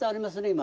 今。